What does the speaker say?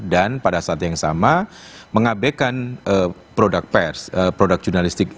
dan pada saat yang sama mengabekan produk pers produk jurnalistik